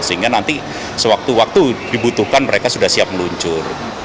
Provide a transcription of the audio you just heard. sehingga nanti sewaktu waktu dibutuhkan mereka sudah siap meluncur